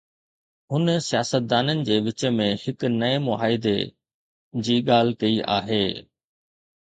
هن سياستدانن جي وچ ۾ هڪ نئين معاهدي جي ڳالهه ڪئي آهي.